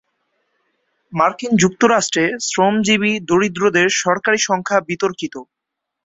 মার্কিন যুক্তরাষ্ট্রে শ্রমজীবী দরিদ্রদের সরকারি সংখ্যা বিতর্কিত।